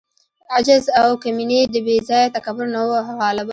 عجز او کمیني د بې ځای تکبر نه وه غالبه.